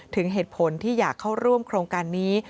ถึงเหตุผลที่อยากเข้าร่วมโครงการนี้